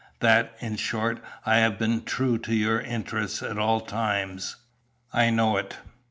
That, in short, I have been true to your interest at all times?" "I know it.